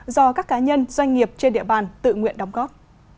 do các cá nhân doanh nghiệp trên địa bàn tự nguyện đóng góp